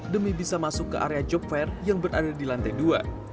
demi bisa masuk ke area job fair yang berada di lantai dua